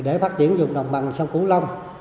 để phát triển vùng đồng bằng sông củ long